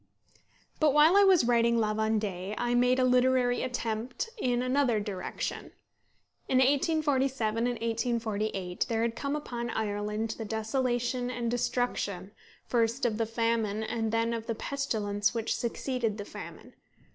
But while I was writing La Vendée I made a literary attempt in another direction. In 1847 and 1848 there had come upon Ireland the desolation and destruction, first of the famine, and then of the pestilence which succeeded the famine.